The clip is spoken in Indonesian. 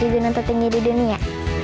tujuh gunung tertinggi di dunia